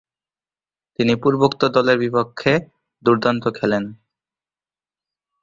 তিনি পূর্বোক্ত দলের বিপক্ষে দূর্দান্ত খেলেন।